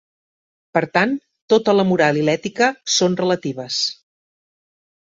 Per tant, tota la moral i l'ètica són relatives.